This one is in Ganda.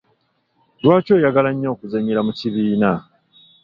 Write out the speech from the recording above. Lwaki oyagala nnyo okuzannyira mu kibiina?